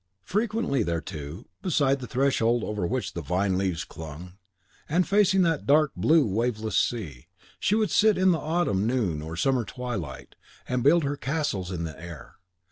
Frequently there, too, beside the threshold over which the vine leaves clung, and facing that dark blue, waveless sea, she would sit in the autumn noon or summer twilight, and build her castles in the air.